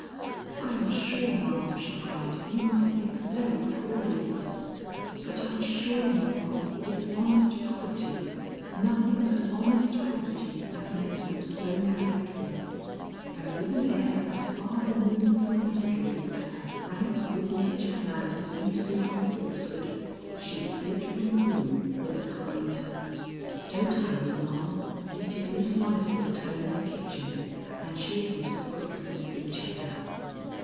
"I am sure, ma'am," she cried, "you must think very poorly of us. But I assure you, ma'am, it's honest poverty, nothing but honest poverty as makes them so neglectful," and with an air as far removed from mystery as her frank, good natured manner seemed to be from falsehood, she slid from the room with a kind: "Don't hurry, ma'am. It is Miss Knollys' turn in the kitchen, and she isn't as quick as Miss Lucetta."